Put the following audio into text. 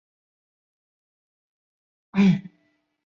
羽状刚毛藨草为莎草科藨草属下的一个种。